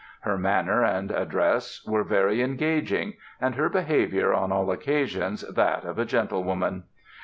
Her manner and address were very engaging, and her behavior on all occasions that of a gentlewoman."